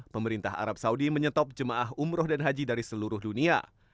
pemerintah arab saudi menyetop jemaah umroh dan haji dari seluruh dunia